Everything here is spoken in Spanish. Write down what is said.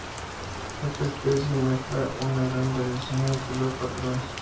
Esta especie muestra una gran variación en color y patrones.